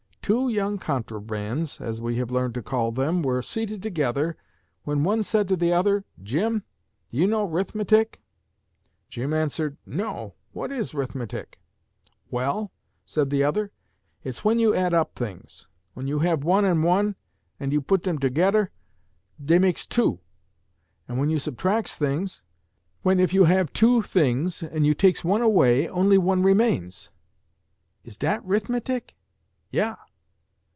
Two young contrabands, as we have learned to call them, were seated together, when one said to the other, "Jim, do you know 'rithmetic?" Jim answered, "No; what is 'rithmetic?" "Well," said the other, "it's when you add up things. When you have one and one, and you put dem togedder, dey makes two. And when you subtracts things, when if you have two things and you takes one away, only one remains." "Is dat 'rithmetic?" "Yah."